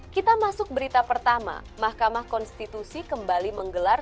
kita masuk berita pertama mahkamah konstitusi kembali menggelar